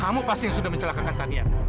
kamu pasti yang sudah mencelakakan tadian